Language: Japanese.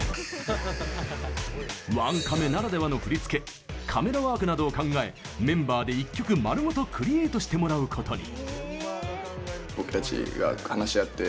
ワンカメならではの振り付けカメラワークなどを考えメンバーで一曲まるごとクリエイトしてもらうことに。